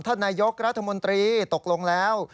ท่านนายกรัฐมนตรีตกลงแล้ว